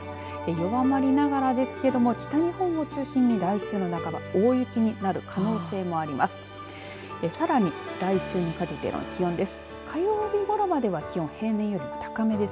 弱まりながらですけれども北日本を中心に来週の半ば大雪になる可能性もあります。